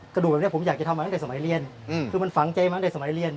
กระดูกแบบนี้ผมอยากจะทำมาตั้งแต่สมัยเรียนคือมันฝังใจมาตั้งแต่สมัยเรียน